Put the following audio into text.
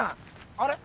あれ？